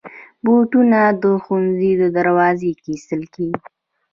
بوټونه د ښوونځي دروازې کې ایستل کېږي.